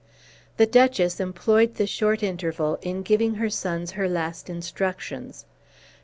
The Duchess employed the short interval in giving her sons her last instructions.